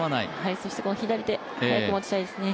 そしてこの左手、早く持ちたいですね。